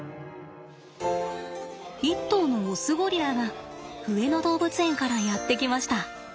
１頭のオスゴリラが上野動物園からやって来ました。